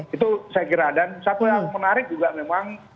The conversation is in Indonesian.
itu saya kira dan satu yang menarik juga memang